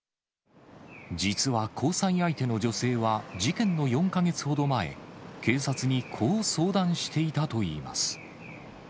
実は交際相手の女性は、事件の４か月ほど前、警察にこう相談していたといいます。